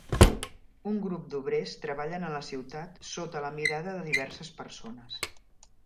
Un grup d'obrers treballen a la ciutat sota la mirada de diverses persones.